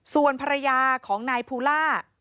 ส่วนภรรยาของนายภูล่า